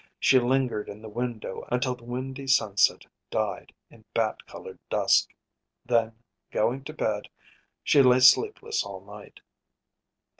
She lingered in the window until the windy sunset died in bat colored dusk; then, going to bed, she lay sleepless all night.